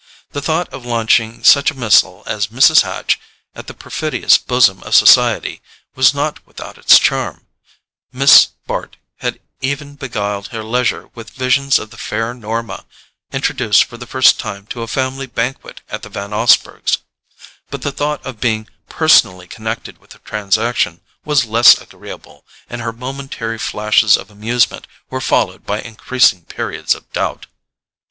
The thought of launching such a missile as Mrs. Hatch at the perfidious bosom of society was not without its charm: Miss Bart had even beguiled her leisure with visions of the fair Norma introduced for the first time to a family banquet at the Van Osburghs'. But the thought of being personally connected with the transaction was less agreeable; and her momentary flashes of amusement were followed by increasing periods of doubt.